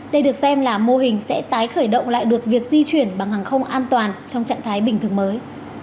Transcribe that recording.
đây được xem là mô hình sẽ tái khởi động lại được việc di chuyển bằng hàng không an toàn trong trạng thái bình thường mới